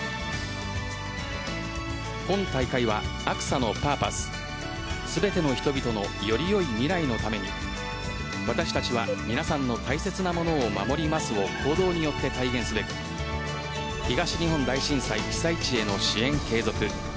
本大会はアクサのパーパス全ての人々のよりよい未来のために私たちは皆さんの大切なものを守りますを行動によって体現すべく東日本大震災被災地への支援継続